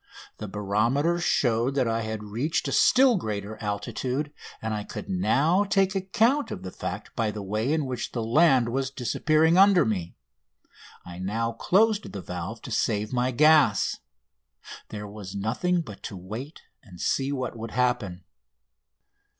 The barometer showed that I had reached a still greater altitude, and I could now take account of the fact by the way in which the land was disappearing under me. I now closed the valve to save my gas. There was nothing but to wait and see what would happen.